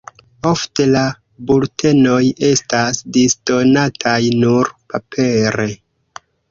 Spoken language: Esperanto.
Ofte la bultenoj estas disdonataj nur papere.